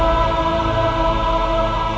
aku tidak tahu diri